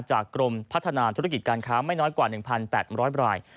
กรมพัฒนาธุรกิจการค้าไม่น้อยกว่า๑๘๐๐ราย